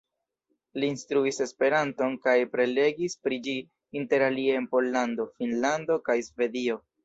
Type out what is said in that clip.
Li instruis Esperanton kaj prelegis pri ĝi, interalie en Pollando, Finnlando kaj Svedio.